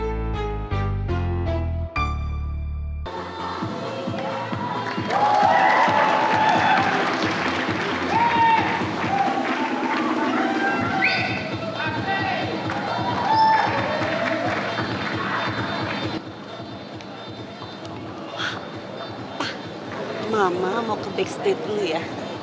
apa mama mau ke backstage dulu ya